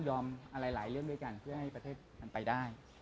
ยอมอะไรหลายเรื่องด้วยกันเพื่อให้ประเทศมันไปได้